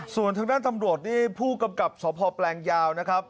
ส่วนทางด้านตำรวจนี่ผู้กำกับสพแปลงยาวนะครับ